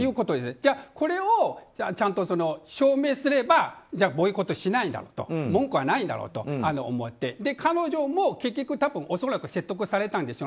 じゃあ、これをちゃんと証明すればボイコットしないだろうと文句はないんだろうと思って彼女も結局恐らく説得されたんでしょう。